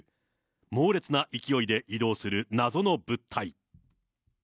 猛烈な勢いで移動する謎の物体。